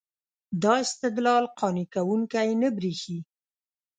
دا استدلال قانع کوونکی نه برېښي.